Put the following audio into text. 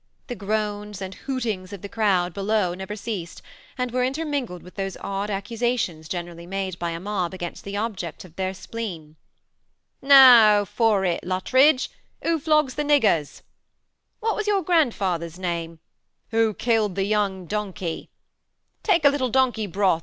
The groans and hootings of the crowd below never ceased, and were intermingled with those odd accusations generally made by a mob against the ob jects of their spleen. "Now for it, Luttridge; who flogs the niggers?" "What was your grandfather's 270 THE SEMI ATTACHED COUPLE. name ?"« Who killed the young donkey ?"« Take a little donkey broth?